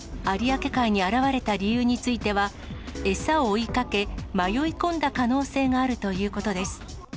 有明海に現れた理由については、餌を追いかけ、迷い込んだ可能性があるということです。